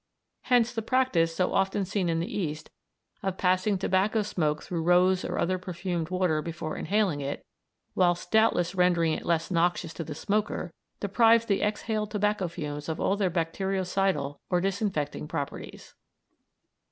Hence the practice, so often seen in the East, of passing tobacco smoke through rose or other perfumed water before inhaling it, whilst doubtless rendering it less noxious to the smoker, deprives the exhaled tobacco fumes of all their bactericidal or disinfecting properties.